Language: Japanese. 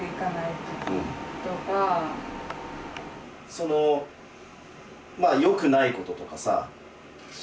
そのまあよくないこととかさ失敗とかさ